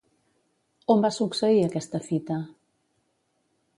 On va succeir aquesta fita?